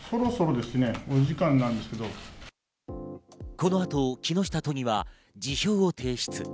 この後、木下都議は辞表を提出。